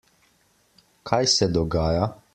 Kaj se dogaja?